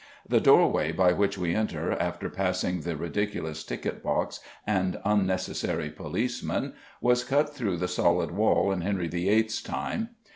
The doorway by which we enter, after passing the ridiculous ticket box and unnecessary policeman, was cut through the solid wall in Henry VIII.'s time.